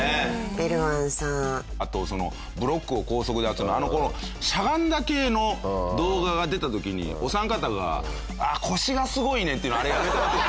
あとブロックを高速でやってたあのしゃがんだ系の動画が出た時にお三方が「ああ腰がすごいね」っていうのあれやめてもらっていい？